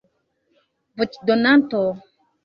voĉdonanto